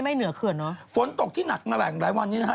ไม่เหนือเกินเนอะฝนตกที่หนักมาหลายวันนี้นะฮะ